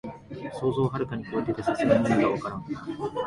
想像をはるかにこえてて、さすがに意味がわからん